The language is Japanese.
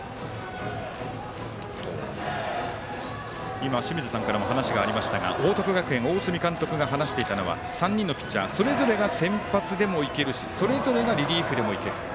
今、清水さんからも話がありましたが、報徳学園大角監督が話していたのは３人のピッチャーそれぞれが先発でもいけるしそれぞれがリリーフでもいける。